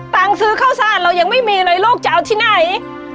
ซื้อข้าวสารเรายังไม่มีเลยลูกจะเอาที่ไหน